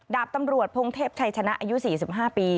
ดาบตำรวจพงเทพชัยชนะอายุ๔๕ปี